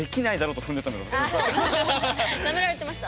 なめられてました。